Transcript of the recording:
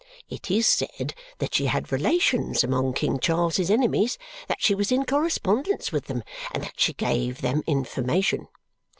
It is said that she had relations among King Charles's enemies, that she was in correspondence with them, and that she gave them information.